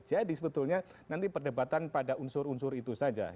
jadi sebetulnya nanti perdebatan pada unsur unsur itu saja